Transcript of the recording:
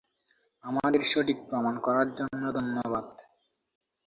আমাদের সঠিক প্রমান করার জন্য ধন্যবাদ।